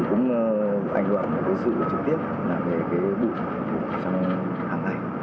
thì cũng ảnh hưởng đến sự trực tiếp về cái bụng trong hàng này